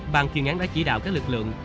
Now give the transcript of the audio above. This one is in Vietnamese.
bàn chuyên án đã chỉ đạo các lực lượng